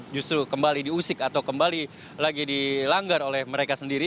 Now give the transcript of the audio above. justru kembali diusik atau kembali lagi dilanggar oleh mereka sendiri